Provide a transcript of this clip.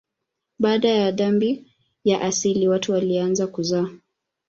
Baada ya dhambi ya asili watu walianza kuzaa.